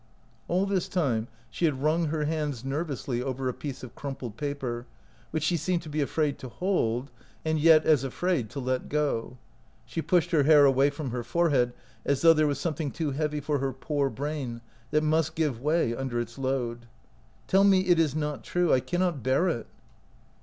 All this time she had wrung her hands nervously over a piece of crumpled paper, which she seemed to be afraid to hold and yet as afraid to let go. She pushed her hair away from her forehead, as though there was something too heavy for her poor brain, that must give way under its load. " Tell me it is not true ! I cannot bear it